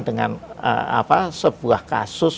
dengan sebuah kasus